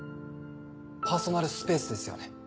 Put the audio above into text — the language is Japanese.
パーソナルスペースですよね。